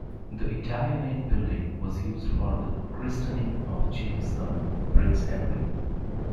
The Italianate building was used for the christening of James's son, Prince Henry.